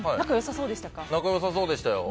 仲良さそうでしたよ。